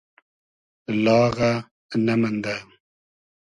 لاغۂ نئمئندۂ